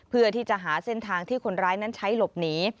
เพื่อที่จะหาเส้นทางที่คนร้ายนั้นใช้หลบหนี